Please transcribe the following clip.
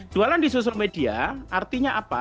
jualan di sosial media artinya apa